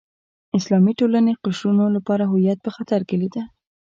اسلامي ټولنې قشرونو خپل هویت په خطر کې لیده.